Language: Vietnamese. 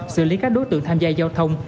xử lý các đối tượng tham gia giao thông